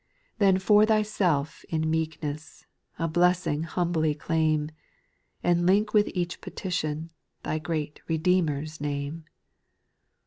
Then for thyself in meekness, A blessing humbly claim, And link with each petitio'n, Thy great Redeemer's name.